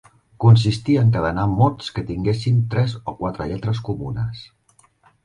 Consistia a encadenar mots que tinguessin tres o quatre lletres comunes.